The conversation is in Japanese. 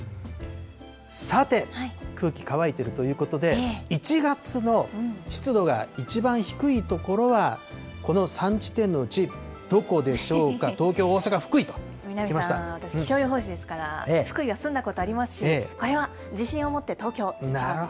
さて、空気乾いているということで、１月の湿度が一番低い所はこの３地点のうち、どこでしょうか、東京、大阪、南さん、私、気象予報士ですから、福井は住んだことありますし、これは自信を持って東京、１番です。